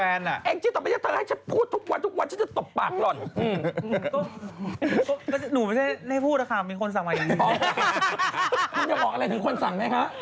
เอิ่งจี่ที่เราทำความใจจะพูดแล้วพูกขึ้นจะตกปากอีก